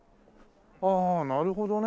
ああなるほどね。